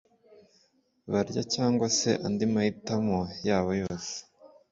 barya cyangwa se andi mahitamo yabo yose